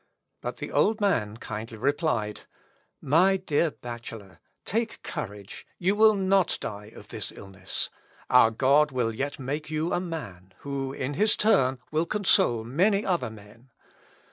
But the old man kindly replied, "My dear bachelor, take courage; you will not die of this illness. Our God will yet make you a man, who, in his turn, will console many other men.